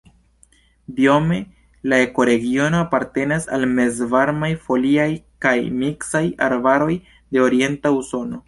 Biome la ekoregiono apartenas al mezvarmaj foliaj kaj miksaj arbaroj de Orienta Usono.